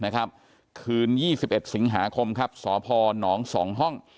คืน๒๑สิงหาคมครับสพน๒ห้อง